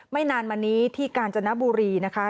ไม่นานมานี้ที่กาญจนบุรีนะคะ